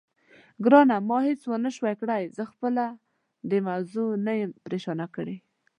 ګرانه، ما هېڅ ونه شوای کړای، زه خپله دې موضوع نه یم پرېشانه کړې.